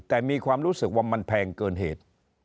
แต่มีความรู้สึกว่ามันแพงเกินเหตุ